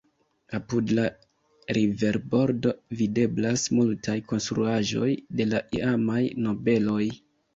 Apud la riverbordo videblas multaj konstruaĵoj de la iamaj nobeloj.